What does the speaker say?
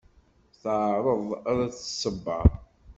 Teεreḍ ad t-tṣebber.